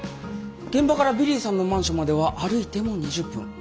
現場からビリーさんのマンションまでは歩いても２０分。